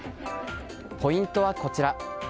ポイントはこちら。